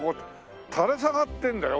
垂れ下がってるんだよ